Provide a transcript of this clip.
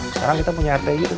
sekarang kita punya rt gitu